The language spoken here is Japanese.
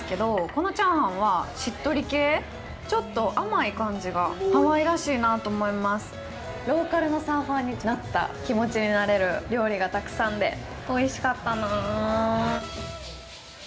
このチャーハンはしっとり系ちょっと甘い感じがハワイらしいなと思いますローカルのサーファーになった気持ちになれる料理がたくさんでおいしかったな